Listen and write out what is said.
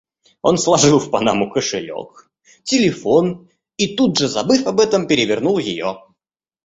Он сложил в панаму кошелёк, телефон и, тут же забыв об этом, перевернул её.